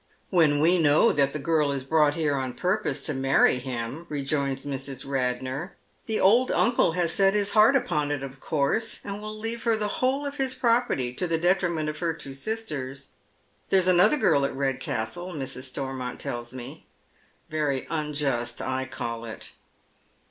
" When we know that the girl is brought here on purpose to many him," rejoins Mrs. Eadnor. " The old uncle has set hia heart upon it, of course, and will leave her the whole of his property, to the detriment of her two sisters ; there's another girl at Redcastle, Mrs. Stormont tells me. Very unjust, I call it."